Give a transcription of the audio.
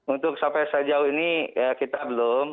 untuk sampai sejauh ini kita belum